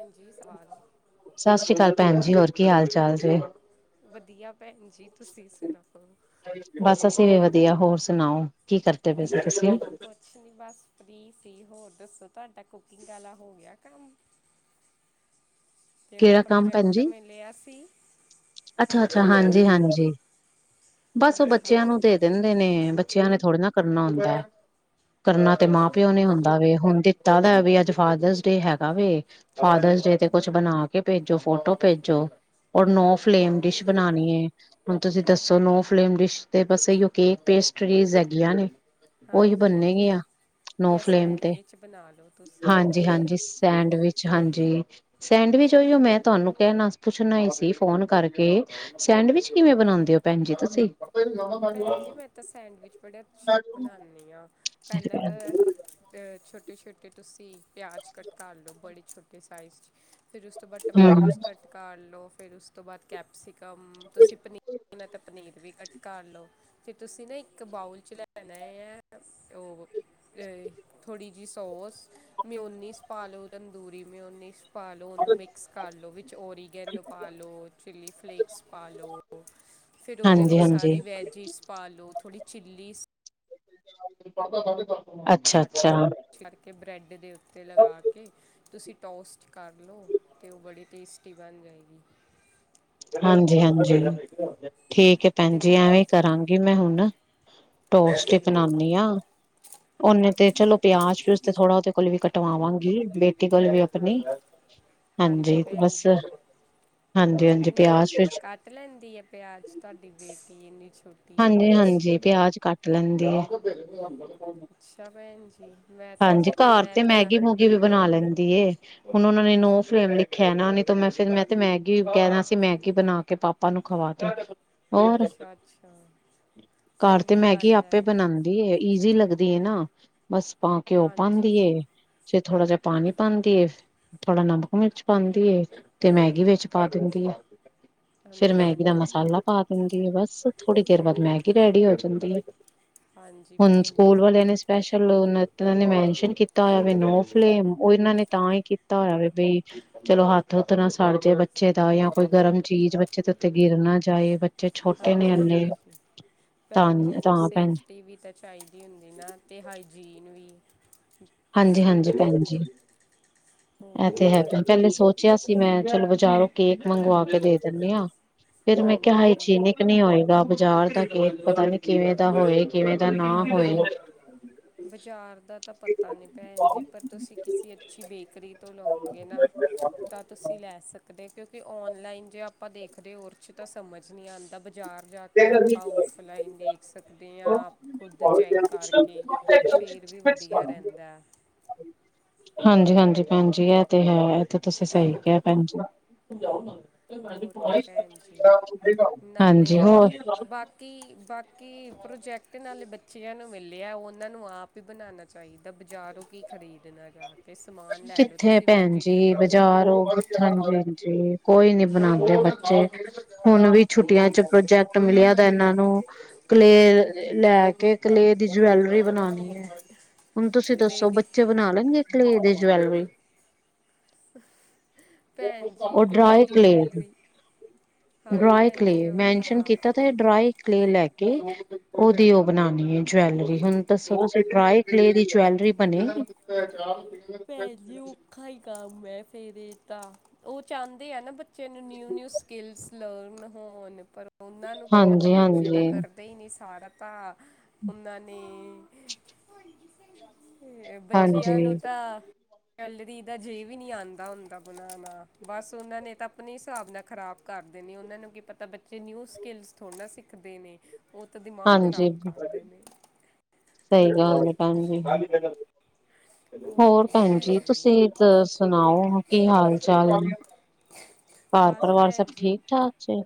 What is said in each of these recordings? ਹਾਂਜੀ, ਸਾ ਸਤਿ ਸ੍ਰੀ ਆਕਾਲ ਭੈਣ ਜੀ, ਹੋਰ ਕੀ ਹਾਲ ਚਾਲ ਜੇ? ਵਧੀਆ ਭੈਣ ਜੀ, ਤੁਸੀਂ ਸੁਣਾਓ? ਬਾਸ ਅਸੀਂ ਵੀ ਵਧੀਆ, ਹੋਰ ਸੁਣਾਓ, ਕੀ ਕਰਦੇ ਪਏ ਸੀ ਤੁਸੀਂ? ਕੁੱਛ ਨੀ ਬਸ ਫ੍ਰੀ ਸੀ। ਹੋਰ ਦੱਸੋ, ਤੁਹਾਡਾ ਕੁਕਿੰਗ ਵਾਲਾ ਹੋ ਗਿਆ ਕੰਮ? ਕਿਹੜਾ ਕੰਮ ਭੈਣ ਪ੍ਰੋਜੈਕਟ ਜੀ ਮਿਲਿਆ ਸੀ? ਅੱਛਾ, ਅੱਛਾ। ਹਾਂਜੀ, ਪ੍ਰੋਜੈਕਟ ਹਾਂਜੀ, ਬਸ ਓ ਅੱਛਾ ਬੱਚਿਆ ਨੂੰ ਦੇ ਦਿੰਦੇ ਨੇ, ਬੱਚਿਆਂ ਨੇ ਥੋੜ੍ਹੀ ਨਾ ਕਰਨਾ ਹੁੰਦਾ, ਕਰਨਾ ਤੇ ਅੱਛਾ ਮਾਂ-ਪਿਓ ਨੇ ਹੁੰ ਦਾ ਵੇ, ਹੁਣ ਦਿੱਤਾ ਦਾ ਵੀ ਅੱਜ ਫਾਦਰਸ ਡੇ ਹੈਗਾ ਵੇ, ਫਾਦਰਸ ਡੇ ਤੇ ਕੁਛ ਬਣਾ, ਕੇ ਭੇਜੋ ਫੋਟੋ- ਭੇਜੋ, ਔਰ ਨੋ ਫਲੇਮ ਡਿਸ਼ ਬਨਾਣੀ ਏ। ਹੁਣ ਤੁਸੀਂ ਦੱਸੋ, ਨੋ ਫਲੇਮ ਡਿਸ਼ ਤੇ ਬਸ ਇਹੀਓ ਕੇਕ, ਪੇਸਟਰੀਜ਼ ਹੈਗੀਆਂ ਨੇ। ਓਹੀ ਹਾਂਜੀ ਬਣਨਗੀਆਂ, ਨੋ ਜਾਂ ਫਲੇਮ ਤੇ, ਸੈਂਡਵਿਚ ਬਣਾ ਲਓ ਤੁਸੀਂ ਹਾਂਜੀ, ਉਹੀ ਦੇ ਹਾਂਜੀ ਸੈਂਡਵਿਚ ਹਾਂਜੀ, ਸੈਂਡਵਿਚ ਤੇ ਓਈਓ ਮੈਂ ਤੁਹਾਨੂੰ ਕਹਿਣਾ, ਪੁੱਛਣਾ ਈ ਸੀ ਫੋਨ ਕਰਕੇ ਸੈਂਡਵਿਚ ਕਿਵੇਂ ਬਣਾਉਂਦੇ ਹੋ, ਭੈਣ ਜੀ ਤੁਸੀ? ਭੈਣ ਜੀ ਮੈਂ ਤਾਂ ਸੈਂਡਵਿਚ ਬੜਾ ਅੱਛਾ ਬਣਾਨੀ ਆ, ਪਹਿਲਾਂ ਤੇ 'ਤੇ ਛੋਟੇ-ਛੋਟੇ ਤੁਸੀਂ ਪਿਆਜ਼ ਕੱਟ ਕਰ ਲਓ, ਬੜੇ ਛੋਟੇ ਸਾਈਜ਼ 'ਚ ਫਿਰ ਉਸ ਤੋਂ ਬਾਅਦ ਹੂੰ ਟਮੈਟੋਸ ਕੱਟ ਕਰ ਲਉ, ਫਿਰ ਉਸ ਤੋਂ ਬਾਅਦ ਕੈਪਸੀਕਮ, ਤੁਸੀਂ ਪਨੀਰ ਮੈਂ ਤਾਂ ਪਨੀਰ ਵੀ ਕੱਟ ਕਰ ਲਓ, ਫਿਰ ਤੁਸੀਂ ਨਾ ਇੱਕ ਬਾਊਲ 'ਚ ਲੈਣੇ ਆ, ਉਹ- ਏ ਥੋੜ੍ਹੀ ਜਿਹੀ ਸੋਸ, ਮੈਯੋਨੀਂਜ ਪਾ ਲਓ, ਤੰਦੂਰੀ ਮੈਯੋਨੀਂਜ - ਪਾਲੋ, ਓਨੂੰ ਮਿਕਸ ਕਰਲੋ, ਵਿੱਚ ਓਰੀਗੇਨੋ ਪਾਲੋ, ਚਿੱਲੀ ਫਲੇਕਸ ਪਾਲੋ। ਫੇਰ ਓਦੇ ਵਿੱਚ ਹਾਂਜੀ-ਹਾਂਜੀ। ਵੇਜੀਸ ਪਾ ਲੋ, ਥੌੜੀ ਚਿੱਲੀਸ ਕੱਟ ਲਓ ਅੱਛਾ-ਅੱਛਾ। ਕਰਕੇ ਬ੍ਰੈਂਡ ਦੇ ਉੱਤੇ ਲਗਾ ਕੇ ਤੁਸੀਂ ਟੋਸਟ ਕਰਲੋ, ਤੇ ਓ ਬੜੀ ਟੇਸਟੀ ਬਣ ਜਾਏਗੀ। ਹਾਂਜੀ- ਹਾਂਜੀ, ਠੀਕ ਹੈ ਭੈਣ ਤੇ ਜੀ। ਐਵੇਂ ਕਰਾਂਗੀ। ਮੈਂ ਹੁਣ ਟੋਸਟ ਈ ਹਾਂਜੀ ਹਾਂਜੀ ਬਣਾਂਦੀ ਆਂ। ਓਨੇ ਤੇ ਚਲੋ ਪਿਆਜ, ਪਿਊਜ ਤੇ ਥੋੜਾ, ਓਦੇ ਕੋਲ ਵੀ ਕਟਵਾਵਾਂਗੀ ਬੇਟ - ਬੇਟੀ ਕੋਲੋ ਵੀ ਆਪਣੀ, ਹਾਂਜੀ ਹਾਂਜੀ, ਬਸ ਹਾਂਜੀ-ਹਾਂਜੀ। ਨੇ ਪਿਆਜ ਵਿੱਚ ਕੱਟ ਲੈਂਦੀ ਆ, ਪਿਆਜ ਤੁਹਾਡੀ ਬੇਟੀ ਏਨੀ ਛੋਟੀ ਉਮਰ 'ਚ ਹਾਂਜੀ-ਹਾਂਜੀ, ਪਿਆਜ ਕੱਟ ਲੈਂਦੀ ਏ। ਅੱਛਾ ਭੈਣ ਜੀ, ਮੈਂ ਤਾਂ-ਮੈਂ ਤਾਂ ਸਬਜ਼ੀ ਵੀ ਬਣਾ ਲੈਂਦੀ ਏ। ਹੁਣ ਓਨਾਂ ਨੇ ਨੋ ਫਲੇਮ ਲਿਖਿਆ ਨਾ, ਨਹੀਂ ਤੋਂ ਮੈਂ ਫਿਰ ਮੈਂ 'ਤੇ ਮੈਗੀ ਕਹਿਣਾ ਸੀ, ਮੈਗੀ ਬਣਾ ਕੇ ਪਾਪ ਪਾਂ ਨੂੰ ਖਵਾਤਾ। ਅੱਛਾ-ਅੱਛਾ। ਘਰ 'ਤੇ ਮੈਗੀ ਆਪੇ ਬਣਾਂਦੇ ਦੀ ਏ, ਈਜ਼ੀ ਲੱਗਦੀ ਏ ਨਾ, ਬਸ ਪਾ ਘਿਓ ਹਾਂਜੀ ਪਾਂਂਦੀ ਏ। ਵਿਚੇ ਥੋੜਾ ਜਿਹਾ ਪਾਣੀ ਪਾਂਦੀ ਏ। ਥੋੜਾ ਨਮਕ ਮਿਰਚ ਪਾਂਦੀ, ਤੇ ਮੈਗੀ ਵਿੱਚ ਪਾ ਦਿੰਦੀ ਏ। ਫੇਰ ਹਾਂਜੀ ਮੈਗੀ ਦਾ ਹਾਂਜੀ ਮਸਾਲਾ ਪਾ ਦਿੰਦੀ ਏ, ਬਸ ਥੋੜੀ ਦੇਰ ਬਾਦ ਮੈਗੀ ਰੈਡੀ ਹੋ ਜਾਂਦੀ ਹੈ। ਹਾਂਜੀ ਹੁਣ, ਭੈਣ ਜੀ ਸਕੂਲ ਫਿਰ ਵਾਲਿਆਂ ਨੇ ਸਪੈਸ਼ਲ ਹੁਣ ਓ ਏਹਨਾਂ ਨੇ ਮੈਨਸ਼ਨ ਕੀਤਾ ਹੋਇਆ ਵੇ, ਨੋ ਫਲੇਮ ਓ ਏਹਨਾਂ ਨੇ ਤਾਂ ਹੀ ਕੀਤਾ ਹੋਇਆ, ਬਈ - ਚਲੋ, ਹੱਥ-ਹੁਥ ਨਾ ਸੜ ਜੇ ਬੱਚੇ ਦਾ, ਜਾਂ ਕੋਈ ਗਰਮ ਚੀਜ਼ ਬੱਚੇ ਦੇ ਉੱਤੇ ਗਿਰ ਨਾ ਜਾਏ, ਬਚ - ਚੇ ਛੋਟੇ ਨੇ ਏ ਅ ਹਾਂਜੀ ਭੈਣ ਜੀ, ਫੇਰ ਭੈਣ ਸੇਫਟੀ ਵੀ ਤਾਂ ਚਾਹੀਦੀ ਹੁੰਦੀ ਨਾ, ਤੇ ਹਾਈਜੀਨ ਵੀ ਹਾਂਜੀ-ਹਾਂਜੀ ਭੈਣ ਜੀ, ਹੋਰ ਏ ਤੇ ਕੀ ਹੈਗਾ, ਭੈਣ ਪਹਿਲੇ ਜੀ ਸੋਚਿਆ ਕਿ, ਮੈਂ ਚਲੋ ਬਾਜ਼ਾਰੋਂ ਕੇਕ ਮੰਗਵਾ ਕੇ ਦੇ ਦਿੰਦੀ ਆਂ। ਫਿਰ, ਮੈਂ ਹਾਂਜੀ ਕਿਹਾ ਭੈਣ ਜੀ ਹਾਈਜੀਨਿਕ ਨੀ ਹੋਏਗਾ। ਬਜ਼ਾਰ ਦਾ ਕੇਕ ਪਤਾ ਨੀ ਕਿਵੇਂ ਦਾ ਹੋਏਗਾ। ਹਾਂਜੀ, ਬਾਜ਼ਾਰ ਦਾ। ਤਾਂ ਪਤਾ ਨੀ ਭੈਣ ਜੀ, ਪਰ ਤੁਸੀਂ ਕਿਸੇ ਅੱਛੀ ਬੇਕਰੀ ਤੋਂ ਲਾਉਗੇ ਨਾ। ਤਾਂ, ਤੁਸੀਂ ਲੈ ਸਕਦੇ, ਕਿਉਂਕੇ 'ਤੇ ਔਨਲਾਈਨ ਜੇ ਆਪਾਂ ਦੇਖਦੇ, ਉਰ ਚ ਤਾਂ ਸਮਝ ਨੀ ਆਂਦਾ, ਬਾਜ਼ਾਰ ਜਾ ਕੇ ਆਪਾਂ ਓ ਔਫਲਾਈਨ ਦੇਖ ਸਕਦੇ ਆਂ, ਆਪ ਖੁਦ ਚੈੱਕ ਕਰਕੇ, ਫੇਰ ਵੀ ਵਧੀਆ ਰੈਂਦਾ। ਹਾਂਜੀ-ਹਾਂਜੀ ਭੈਣ ਜੀ, ਏਹ'ਤੇ ਹੈ, ਏਹ ਤੇ ਤੁਸੀਂ ਸਹੀ ਕਿਹਾ ਭੈਣ ਜੀ। ਹੋਰ ਕੀ ਭੈਣ ਜੀ ਹਾਂਜੀ, ਹੋਰ? ਕਿ, ਬਾਕੀ ਪ੍ਰੋਜੈਕਟ ਨਾਲੇ ਬੱਚੇ ਬੱਚੇਆਂ ਨੂੰ ਮਿਲਿਆ, ਓਨਾਂ ਨੂੰ ਆਪ ਹੀ ਬਣਾਨਾਂ ਚਾਹੀਦਾ, ਬਜ਼ਾਰੋਂ ਕੀ ਖਰੀਦਣਾ ਜਾਕੇ। ਕਿੱਥੇ ਭੈਣ ਜੀ, ਬਾਜ਼ਾਰ ਹੋਰ ਹਾਂਜੀ-ਹਾਂਜੀ, ਕੋਈ ਨੀ ਬਣਾਂਦੇ ਬੱਚੇ। ਹੁਣ ਵੀ ਛੁੱਟੀਆਂ ਚ ਪ੍ਰੋਜੈਕਟ ਮਿਲਿਆ ਦਾ ਏਨਾਂ ਨੂੰ ਕਲੇਅ ਲੈ ਕੇ, ਕਲੇਅ ਦੀ ਜਵੈਲਰੀ ਬਣਾਉਣੀ ਹੈ। ਹੁਣ ਤੁਸੀਂ ਕਲੇ ਦੱਸੋ ਦੀ ਬੱਚੇ ਬਣਾ ਲੈਣਗੇ ਕਲੇ ਦੀ ਜਵੈਲਰੀ। ਭੈਣ ਜੀ ਉਹ ਡਰਾਏ ਦੀ ਕਲੇ ਜਿਊਲਰੀ ਹਾਏ ਡਰਾਈ ਭੈਣ ਕਲੇ ਜੀ ਉਹ ਮੈਨਸ਼ਨ ਤਾਂ ਕੀਤਾ। ਤੇ ਡਰਾਈ ਕਲੇ ਲੈ ਕੇ ਉਹਦੀ ਉਹ ਬਣਾਉਣੀ ਹੈ ਜਵੈਲਰੀ, ਹੁਣ ਤੁਸੀਂ ਦੱਸੋ ਡਰਾਏ ਕਲੇ ਦੀ ਜਵੈਲਰੀ ਬਣੇਗੀ। ਤੇ ਚਾਹ ਵੀ ਪੀਣੀ ਆ ਪਹਿਲੀ ਔਖਾ ਹੀ ਕੰਮ ਹੈ ਫਿਰ ਤਾਂ ਉਹ ਚਾਹੁੰਦੇ ਆ ਨਾ ਬ ਬੱਚੇ ਨੂੰ ਨਿਊ ਨਿਊ ਸਕਿੱਲਸ ਲਰਨ ਹੋਣ। ਪਰ ਉਹਨਾਂ ਨੂੰ ਕੀ ਪਤਾ ਹਾਂਜੀ ਬੱਚੇ ਦਾ ਹਾਂਜੀ ਕਰ ਨਹੀ ਨਹੀ ਸਾਰਾਤਾ ਮੈਂਨੇ ਏ ਬੱਚਿਆਂ ਹਾਂਜੀ ਨੂੰ ਤਾਂ ਜੈਲਰੀ ਦਾ ਜੇ ਵੀ ਨਹੀਂ ਆਉਂਦਾ ਹੁੰਦਾ ਬਣਾਉਣਾ ਬਸ ਉਹਨਾਂ ਨੇ ਤਾਂ ਆਪਣੇ ਹਿਸਾਬ ਨਾਲ ਖ਼ਰਾਬ ਕਰਦੇ ਨੇ ਉਹਨਾਂ ਨੂੰ ਕੀ ਪਤਾ ਬੱਚੇ ਨਿਊ ਸਕਿੱਲਸ ਥੋੜ੍ਹਾ ਨਾ ਸਿੱਖਦੇ ਨੇ। ਉਹ ਤੇ ਦਿਮਾਗ ਖਰਾਬ ਹਾਂਜੀ ਕਰਦੇ ਨੇ, ਸਹੀ ਗੱਲ ਹੈ ਭੈਣ ਜੀ ਹੋਰ ਭੈਣ ਜੀ ਤੁਸੀਂ ਤਾ ਸੁਣਾਓ ਕੀ ਹਾਲ ਚਾਲ ਹੈ। ਘਰ ਬਸ ਪਰਿਵਾਰ ਭੈਣ ਸਭ ਜੀ ਠੀਕ ਠਾਕ 'ਚ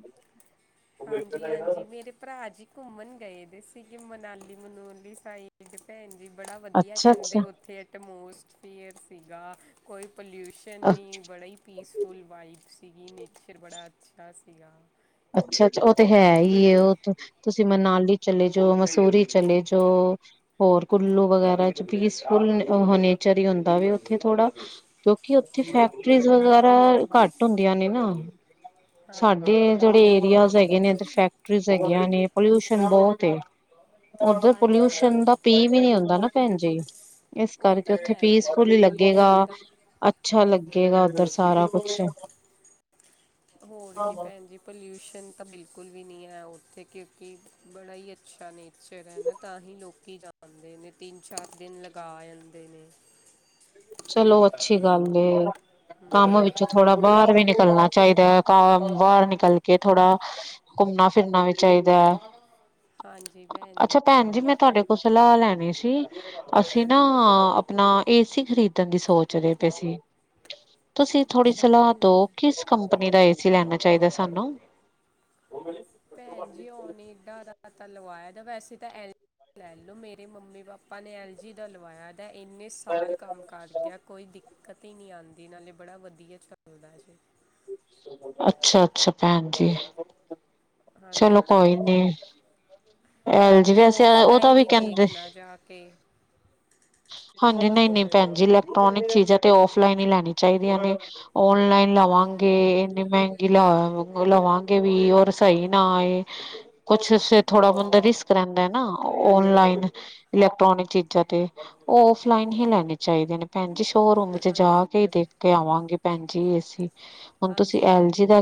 ਹਾਂਜੀ ਹਾਂਜੀ ਮੇਰੇ ਭਰਾ ਜੀ ਘੁੰਮਣ ਗਏ ਵੀ ਸੀਗੇ ਮਨਾਲੀ ਮਨੋਲੀ ਸਾਈਡ ਇਕ ਭੈਣ ਜੀ ਬੜਾ ਵਧੀਆ ਅੱਛਾ ਕਹਿੰਦੇ ਅੱਛਾ ਉੱਥੇ ਐਟਮੋਸਫੀਅਰ ਸੀਗਾ ਕੋਈ ਪੋਲਿਊਸ਼ਨ ਨੀ ਬੜਾ ਹੀ ਪੀਸਫੁੱਲ ਵਾਈਫ ਸੀਗੀ ਨੇਚਰ ਬੜਾ ਅੱਛਾ ਸੀਗਾ। ਅੱਛਾ ਉਹ ਤੇ ਹੈ ਹੀ ਉਹ ਤੇ ਤੁਸੀਂ ਮਨਾਲੀ ਚਲੇ ਜਓ, ਮਸੂਰੀ ਚਲੇ ਜਓ, ਹੋਰ ਕੁੱਲੂ ਵਗੈਰਾ 'ਚ ਪੀਸਫੁਲ ਨ ਨੇਚਰ ਹੀ ਹੁੰਦਾ ਵ ਉੱਥੇ ਥੋੜ੍ਹਾ ਕਿਉਂਕਿ ਉੱਥੇ ਫੈਕਟਰੀਜ਼ ਵਗੈਰਾ, ਘੱਟ ਹੁੰਦੀਆਂ ਨੇ ਨਾ ਹਾਂਜੀ ਸਾਡੇ ਭੈਣ ਜਿਹੜੇ ਜੀ ਏਰੀਆਜ਼ ਹੈਗੇ ਨੇ ਇੱਧਰ ਫੈਕਟਰੀਜ਼ ਹੈਗੀਆਂ ਨੇ ਪੋਲਿਊਸ਼ਨ ਬਹੁਤ ਏ ਉੱਧਰ ਹਾਂਜੀ ਪੋਲਿਊਸ਼ਨ ਹਾਂਜੀ ਦਾ ਪੀ ਵੀ ਨੀ ਹੁੰਦਾ ਨਾ ਭੈਣ ਜੀ। ਇਸ ਉਹ ਕਰਕੇ ਤਾਂ ਉੱਥੇ ਹੈ ਭੈਣ ਜੀ ਪੀਸਫੁਲੀ ਲੱਗੇਗਾ। ਪੋਲਿਊਸ਼ਨ ਦਾ ਅਛ ਅੱਛਾ ਲੱਗੇਗਾ ਉੱਧਰ ਸਾਰਾ ਕੁੱਛ ਹੋਰ ਕੀ ਭੈਣ ਜੀ। ਪੋਲਿਊਸ਼ਨ ਤਾਂ ਬਿਲਕੁਲ ਵੀ ਨਹੀ ਉੱਥੇ ਕਿਉਂਕਿ ਬੜਾ ਹੀ ਅੱਛਾ ਨੇ ਸਵੇਰੇ ਨਾ ਤਾਂਹੀ ਲੋਕੀ ਜਾਂਦੇ ਨੇ ਤਿੰਨ ਚਾਰ ਦਿਨ ਲਗਾ ਆਂਦੇ ਨੇ ਚਲੋ ਅੱਛੀ ਗੱਲ ਏ ਕੰਮ ਵਿੱਚੋਂ ਥੋੜਾ ਬਾਹਰ ਵੀ ਨਿਕਲਣਾ ਚਾਹੀਦਾ। ਕਾਰ ਬਾਹਰ ਨਿਕਲ ਕੇ ਥੋੜਾ ਘੁੰਮਣਾ ਫਿਰਨਾ ਵੀ ਚਾਹੀਦਾ ਹੈ। ਅ ਅਛ ਅੱਛਾ ਭੈਣ ਜੀ ਮੈਂ ਤੁਹਾਡੇ ਕੋਲੋਂ ਸਲਾਹ ਲੈਣੀ ਸੀ। ਅਸੀਂ ਨਾ ਆਪਣਾ ਏਸੀ ਖਰੀਦ ਖਰੀਦਣ ਦੀ ਸੋਚ ਰਹੇ ਪਏ ਸੀ ਤੁਸੀਂ ਥੋੜੀ ਅੱਛਾ ਸਲਾਹ ਭੈਣ ਦੋ ਜੀ ਕਿਸ ਕੰਪਨੀ ਦਾ ਏਸੀ ਲੈਣਾ ਚਾਹੀਦਾ ਸਾਨੂੰ ਭੈਣ ਜੀ ਓਨ ਏਡਾਂ ਦਾ ਤਾਂ ਲਵਾਇਆ ਵੈਸੇ ਤਾਂ ਐਲ ਲੈ ਲਓ ਮੇਰੇ ਮੰਮੀ ਪਾਪਾ ਨੇ ਐਲ ਜੀ ਦਾ ਲਵਾਇਆ ਦਾ ਇੰਨੇ ਸਾਲ ਕੰਮ ਕਰ ਗਿਆ। ਕੋਈ ਦਿੱਕਤ ਹੀ ਨੀ ਆਉਂਦੀ ਨਾਲੇ ਬੜਾ ਵਧੀਆ ਚੱਲਦਾ ਜੀ। ਅੱਛਾ ਅੱਛਾ ਭੈਣ ਜੀ। ਹਾਂਜੀ ਚਲੋ ਭੈਣ ਕੋਈ ਨੀ ਜੀ। ਐਲ ਜੀ ਨਾਲੇ ਵੈਸੇ ਉਹਦਾ ਓਫਲਾਈਨ ਵੀ ਹੀ ਕਹਿੰਦੇ ਦੇਖਨਾ ਜਾ ਕੇ ਹਾਂਜੀ ਨਹੀਂ ਨਹੀਂ ਭੈਣ ਜੀ ਇਲੈਕਟ੍ਰੋਨਿਕ ਚੀਜ਼ਾਂ ਤੇ ਔਫਲਾਈਨ ਹੀ ਲੈਣੀਆਂ ਚਾਹੀਦੀਆਂ ਨੇ ਔਨਲਾਈਨ ਲਵਾਂਗੇ ਹਾਂਜੀ ਇੰਨੀ ਮਹਿੰਗੀ ਲ ਲਵਾਂਗੇ ਵੀ ਔਰ ਸਹੀ ਨਾ ਆਏ, ਕੁਛ ਸ ਥੋੜਾ ਬੰਦਾ ਰਿਸਕ ਰਹਿੰਦਾ ਹੈ ਨਾ ਔਨਲਾਈਨ ਇਲੈਕਟ੍ਰੋਨਿਕ ਚੀਜ਼ਾਂ ਤੇ ਉਹ ਓਫਲਾਈਨ ਹੀ ਲੈਣੇ ਚਾਹੀਦੇ ਨੇ ਭੈਣ ਜੀ ਸ਼ੋਅਰੂਮ ਚ ਜਾ ਹਾਂਜੀ ਕੇ ਹੀ ਦੇਖ ਕੇ ਆਵਾਂਗੀ ਭੈਣ ਜੀ ਏਸੀ ਹੁਣ ਤੁਸੀਂ ਹਾਂਜੀ ਐਲ ਨਾਲੇ ਜੀ ਦਾ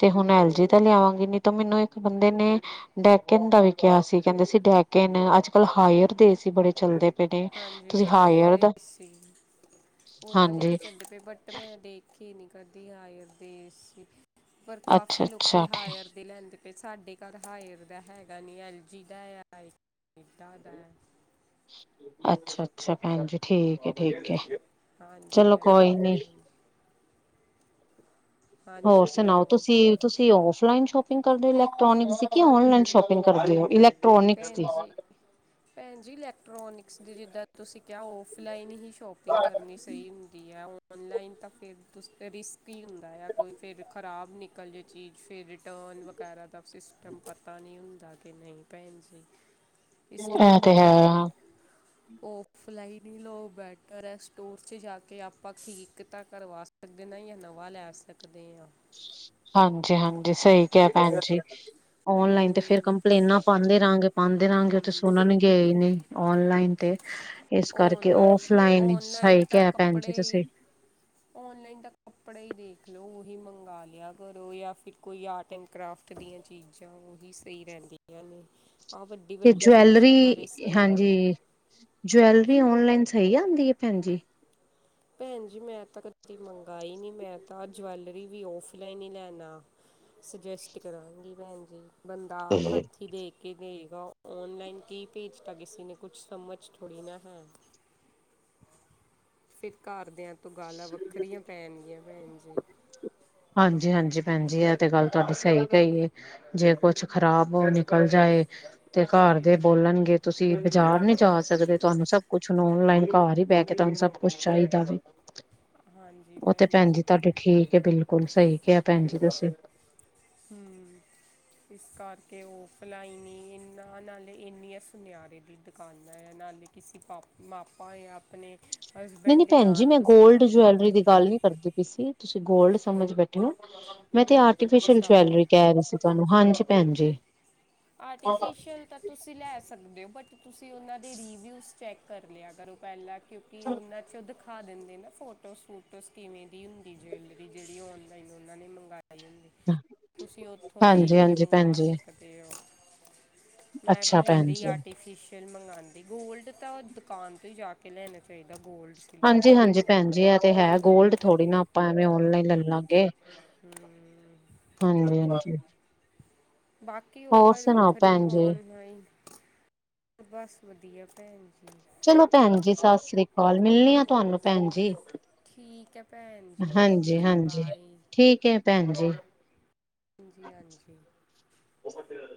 ਤੇ ਹੁਣ ਐਲ ਜੀ ਤਾਂ ਲਿਆਵਾਂਗੀ ਨੀ ਤ ਮੈਨੂੰ ਇੱਕ ਬੰਦੇ ਨੇ ਡੈਕਨ ਦਾ ਵੀ ਕਿਹਾ ਸੀ। ਕਹਿੰਦੇ ਸੀ ਡੈਕਨ, ਅੱਜ ਕੱਲ ਹਾਇਰ ਦੇ ਏ ਸੀ ਬੜੇ ਚਲਦੇ ਨੇ ਹਾਂਜੀ ਤੁਸੀਂ ਹਾਇਰ ਦੇ ਦਾ ਏਸੀ। ਉਹਨਾਂ ਦੇ ਵੀ ਹਾਂਜੀ ਚੱਲਦੇ ਪਏ ਬਟ ਮੈਂ ਦੇਖ ਕੇ ਨੀ ਕਰਦੀ ਹਾਇਰ ਦੇ ਏਸੀ, ਪਰ ਅੱਛਾ ਕਾਫੀ ਲੋਕੀ ਅੱਛਾ ਠੀਕ ਹਾਇਰ ਲੈਂਦੇ ਪਏ। ਸਾਡੇ ਘਰ ਹਾਇਰ ਦਾ ਹੈਗਾ ਨੀ ਐਲ ਜੀ ਦਾ ਦਾ ਅੱਛਾ ਅੱਛਾ ਭੈਣਜੀ ਠੀਕ ਏ ਠੀਕ ਏ। ਹਾਂਜੀ ਹਾਂਜੀ ਭੈਣਜੀ ਹੋਰ ਹਾਂਜੀ ਸੁਣਾਓ ਭੈਣ ਤੁਸੀਂ। ਜੀ ਤੁਸੀਂ ਓਫਲਾਈਨ ਸ਼ੋਪਿੰ ਸ ਕਰਦੇ ਇਲੈਕਟ੍ਰੋਨਿਕ ਦੀ, ਕੇ ਓਨਲਾਈਨ ਸ਼ੋਪਿੰਗ ਕਰਦੇ ਓ ਇਲਕਟ੍ਰੋਨਿਕਸ ਦੀ ਭੈਣ ਜੀ ਭੈਣ ਜੀ ਇਲੈਕਟ੍ਰੋਨਿਕਸ ਦੀ ਜਿੱਦਾਂ ਤੁਸੀਂ ਕਿਹਾ ਔਫਲਾਈਨ ਹੀ ਸ਼ੋਪ ਸ਼ਪਿੰਗ ਕਰਨੀ ਸਹੀ ਹੁੰਦੀ ਹੈ। ਔਨਲਾਈਨ ਤਾਂ ਫਿਰ ਤੁ ਰਿਸ ਕੀ ਹੁੰਦਾ ਆ। ਕੋਈ ਫੇਰ ਖ਼ਰਾਬ ਨਿ ਕਲ ਜੇ ਚੀਜ਼, ਫਿਰ ਰਿਟਰਨ ਵਗੈਰਾ ਦਾ ਸਿਸਟਮ ਪਤਾ ਨਹੀਂ ਹੁੰਦਾ। ਕਿ ਨਹੀਂ ਭੈਣ ਜੀ, ਇਸ ਇਹ ਕਰਕੇ ਤੇ ਹੈ ਉਣ ਓਫਲਾਈਨ ਈ ਲਓ ਬੈਟਰ ਏ, ਸਟੋਰ ਜਾ ਕੇ ਆਪਾਂ ਠੀਕ ਤਾਂ ਕਰਵਾ ਸਕ ਦੇ ਨਾ ਜਾਂ ਨਵਾਂ ਲੈ ਸਕਦੇ ਆ। ਹਾਂਜੀ ਹਾਂਜੀ ਸਹੀ ਕਿਹਾ ਭੈਣ ਜੀ। ਓਨਲਾਈਨ ਤੇ ਫਿਰ ਔਨ ਕੰਪਲੇਨਾਂ ਪਾਂਦੇ ਰਹਾਂਗੇ ਪਾਂਦੇ ਰਹਾਂਗੇ ਉਥੇ ਹਮ ਸੁਣਨਗੇ ਈ ਨੀ। ਔਨਲਾਈਨ ਤੇ ਇਸ ਕਰਕੇ ਔਨਲਾਈਨ ਔਫਲਾਈਨ ਔਨਲਾਈਨ ਸਹੀ ਤਾਂ ਕਿਹਾ ਪੈਣ ਜੀ ਕੱਪੜੇ ਤੁਸੀਂ। ਔਨਲਾਈਨ ਤ ਕਪੜ੍ਹੇ ਈ ਦੇਖ ਲੋ, ਉਹੀ ਮੰਗਾ ਲਿਆ ਕਰੋ ਜਾਂ ਫਿਰ ਕੋਈ ਆਰਟ ਐਂਡ ਕਰਾਫਟ ਦੀਆਂ ਚੀਜ਼ ਉਹੀ ਸਹੀ ਰਹਿੰਦੀਆਂ ਨੇ। ਆਹ ਵੱਡੀ ਤੇ ਵੱਡੀ ਚੀਜ਼ਾਂ ਤਾਂ ਜਵੈਲਰੀ ਰਿਸਕ ਹੁੰਦੇ ਹਾਂਜੀ ਆ। ਜਵੈਲਰੀ ਔਨਲਾਈਨ ਸਹੀ ਆਂਦੀ ਏ ਭੈਣ ਜੀ। ਭੈਣ ਜੀ ਮੈਂ ਤਾਂ ਕਦੀ ਮੰਗਾਈ ਨੀ। ਮੈਂ ਤਾਂ ਜਵੈਲਰੀ ਵੀ ਔਫਲਾਈਨ ਹੀ ਲੈਣਾ। ਸੁਜੈਸਟ ਕਰਾਂਗੀ ਭੈਣ ਜੀ। ਬੰਦਾ ਆਪ ਹੱਥੀ ਦੇਖ ਕਿ ਦੇਗਾ। ਔਨਲਾਈਨ ਕੀ ਭੇਜਤਾ ਕਿਸੇ ਨੇ ਕੁਛ ਸਮਝ ਥੋੜ੍ਹੀ ਨਾ ਹੈ। ਫਿਰ ਘਰਦਿਆਂ ਤੋਂ ਗਾਲਾਂ ਵੱਖਰੀਆਂ ਪੈਣਗੀਆਂ ਭੈਣ ਜੀ। ਹਾਂਜੀ ਹਾਂਜੀ ਭੈਣ ਜੀ ਇਹ ਤੇ ਗੱਲ ਤੁਹਾਡੀ ਸਹੀ ਕਹੀਏ। ਜੇ ਕੁਛ ਖ਼ਰਾਬ ਨਿਕਲ ਜਾਏ। ਤੇ ਘਰ ਦੇ ਬੋਲਣਗੇ ਤੁਸੀਂ ਬਾਜ਼ਾਰ ਨੀ ਜਾ ਸਕਦੇ। ਤੁਹਾਨੂੰ ਸਭ ਕੁਛ ਹੁਣ ਔਨਲਾਈਨ ਘਰ ਹੀ ਬਹਿ ਕੇ। ਤੁਹਾਨੂੰ ਸਭ ਕੁਛ ਚਾਹੀਦਾ ਵੀ। ਉਹ ਤੇ ਭੈਣ ਜੀ ਤੁਹਾਡੀ ਠੀਕ ਏ। ਬਿਲਕੁਲ ਸਹੀ ਕਿਹਾ ਭੈਣ ਜੀ ਤੁਸੀ। ਹੂੰ। ਇਸ ਕਰਕੇ ਉਫਲਾਈਨ ਈ ਇੰਨਾਂ, ਨਾਲੇ ਇੰਨੀਆਂ ਸੁਨਿਆਰੇ ਦੀ ਦੁਕਾਨਾਂ ਹੈ। ਨਾਲੇ ਕਿਸੀ ਪ ਮਾਪਾ ਜਾਂ ਜਾਂ ਆਪਣੇ ਨਹੀਂ ਹਸਬੈਂਡ ਨਹੀਂ ਦੇ ਭੈਣ ਜੀ, ਨਾਲ ਮੈਂ ਤੁਸੀਂ ਜਾ ਗੋਲਡ ਸਕਦੇ ਜੁਐਲਰੀ ਹੋ ਦੀ ਗੱਲ ਨੀ ਕਰਦੀ ਸੀ। ਤੁਸੀਂ ਗੋਲਡ ਸਮਝ ਬੈਠੇ ਹੋ, ਮੈਂ ਤਾਂ ਆਰਟੀਫਿਸ਼ਲ ਅੱਛਾ ਜੁਐਲਰੀ ਕਹਿ ਰਹੇ ਸੀ ਤੁਹਾਨੂੰ। ਹਾਂਜੀ ਭੈਣ ਜੀ। ਆਰਟੀਫਿਸ਼ੀਅਲ ਤਾਂ ਤੁਸੀਂ ਲੈ ਸਕਦੇ ਓ। ਬਟ ਤੁਸੀਂ ਉਹਨਾਂ ਦੇ ਰਿਵਿਊਜ਼ ਚੈੱਕ ਕਰ ਲਿਆ ਕਰੋ ਪਹਿਲਾਂ। ਕਿਉਂਕਿ ਉਹਨਾਂ ਚ ਉਹ ਦਿਖਾ ਦਿੰਦੇ ਨੇ ਫੋ ਟੋ ਸੂਟੋਸ ਕਿਵੇਂ ਦੀ ਹੁੰਦੀ ਜਵੈਲਰੀ। ਜਿਹੜੀ ਔਨਲਾਈਨ ਉਹਨਾਂ ਨੇ ਮੰਗਆਈ ਹੁੰਦੀ। ਤੁਸੀਂ ਉੱਥੋਂ ਦੇਖ ਹਾਂਜੀ ਕੇ ਹਾਂਜੀ ਭੈਣ ਮੰਗਾ ਜੀ ਸਕਦੇ ਓ। ਮੈਂ ਵੀ ਅੱਛਾ ਭੈਣ ਇਦਾਂ ਹੀ, ਜੀ ਆਰਟੀਫਿਸ਼ ਮੰਗਵਾਉਂਦੀ‌‌, ਗੋਲਡ ਤਾਂ ਦੁਕਾਨ ਤੋਂ, ਹੀ ਜਾ ਕੇ, ਲੈਣਾ ਚਾਹੀਦਾ। ਗੋਲਡ ਸਿਲਵਰ ਹਾਂਜੀ ਹਾਂਜੀ ਵਗੈਰਾ ਭੈਣ ਨਾ ਜੀ ਇਹ ਤੇ ਹੈ, ਗੋਲਡ ਥੋੜੀ ਨਾ, ਆਪਾਂ ਐਵੇਂ ਔਨਲਾਈਨ ਲੈ ਲਾਂਗੇ। ਹੁੰ। ਹਾਂਜੀ -ਹਾਂਜੀ। ਬਾਕੀ, ਉਹ ਹੋਰ ਗਲ ਸੁਣਾਓ ਵੱਖਰੀ। ਭੈਣ ਜੀ ਔਨਲਾਈਨ ਬਸ ਵਧੀਆ, ਭੈਣ ਜੀ। ਚਲੋ ਭੈਣ ਜੀ, ਸਤਿ ਸ੍ਰੀ ਅਕਾਲ, ਮਿਲਨੇਆਂ ਤੁਹਾਨੂੰ ਭੈਣ ਜੀ। ਠੀਕ ਹੈ ਭੈਣ ਜੀ ਹਾਂਜੀ ਓਕੇ -ਹਾਂਜੀ ਬਾਏ ਠੀਕ ਹੈ, ਭੈਣ ਜੀ, ਜੀ ਹਾਂਜੀ। ਬਹੁਤ ਦਿਨਾਂ।